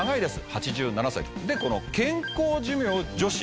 ８７歳でこの健康寿命女子。